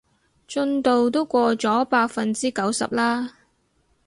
進度都過咗百分之九十啦